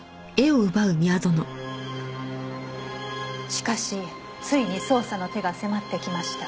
「しかしついに捜査の手が迫ってきました」